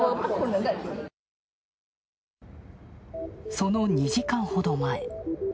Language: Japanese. その２時間ほど前。